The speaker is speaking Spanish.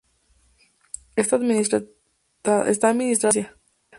Está administrada por Francia.